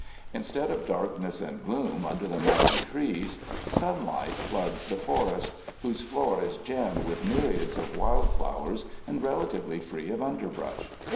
Instead of darkness and gloom under the mighty trees, sunlight floods the forest, whose floor is gemmed with myriads of wild flowers and relatively free of under brush.